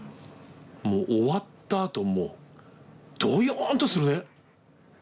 もう終わったあともうどよんとするね。